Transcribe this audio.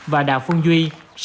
và đạo phương duy